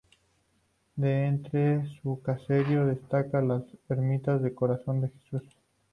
De entre su caserío destaca la ermita del Corazón de Jesús.